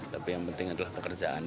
tapi yang penting adalah pekerjaan